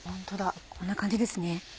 こんな感じですね。